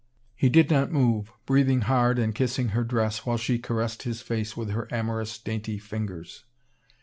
He did not move, breathing hard and kissing her dress, while she caressed his face with her amorous, dainty Fingers.